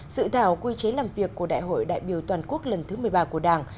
sự thảo quy chế làm việc của đại hội đại biểu toàn quốc lần thứ một mươi ba của đảng